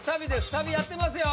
サビやってますよ